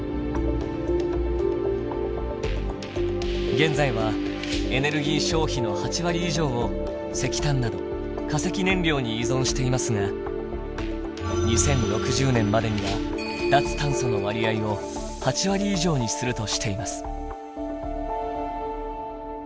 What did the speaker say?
現在はエネルギー消費の８割以上を石炭など化石燃料に依存していますが２０６０年までには「脱炭素」の割合を８割以上にするとしています。